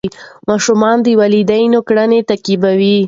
ماشومان د والدینو کړنې تعقیبوي.